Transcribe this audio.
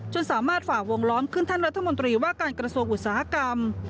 สามารถฝ่าวงล้อมขึ้นท่านรัฐมนตรีว่าการกระทรวงอุตสาหกรรม